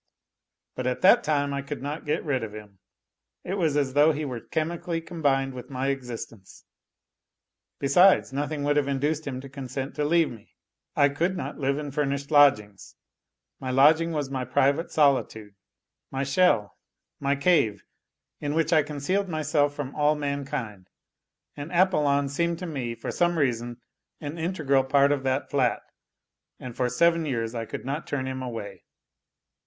But at that time I could not get rid of him, it was as though he were chemically combined with my existence. Besides, nothing would have induced him to consent to leave me. I could not live in furnished lodgings : my lodging was my private solitude, my shell, my CHVC, in which I concealed myself from all mankind, and Apollon seemed to me, for some reason, an integral part of that flat, and for seven years I could not turn him away.